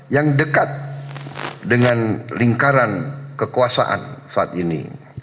yang dekat dengan lingkaran kekuasaan saat ini